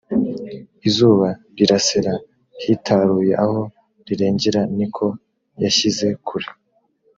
izuba rirasira hitaruye aho rirengera ni ko yashyize kure